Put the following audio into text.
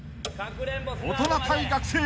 ［大人対学生］